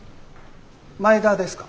前田ですか。